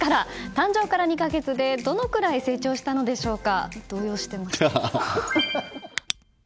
誕生から２か月でどのくらい成長したのでしょうか。